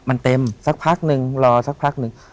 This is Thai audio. มันเต็มรอสักพักหนึ่ง